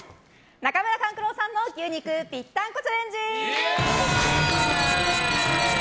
中村勘九郎さんの牛肉ぴったんこチャレンジ。